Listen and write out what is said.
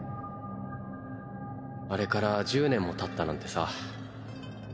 あれから１０年もたったなんてさ。